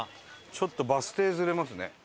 ちょっとバス停ズレますね。